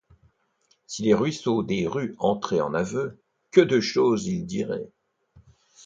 Si les ruisseaux des rues entraient en aveu, que de choses ils diraient!